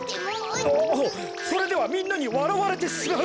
ああそれではみんなにわらわれてしまう。